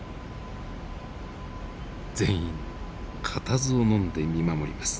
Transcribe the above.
全員固唾をのんで見守ります。